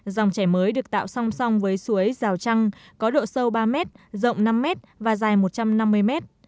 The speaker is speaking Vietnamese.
dòng chảy mới được tạo song song với suối rào trăng có độ sâu ba mét rộng năm mét và dài một trăm năm mươi mét